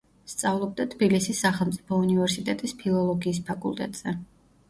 სწავლობდა თბილისის სახელმწიფო უნივერსიტეტის ფილოლოგიის ფაკულტეტზე.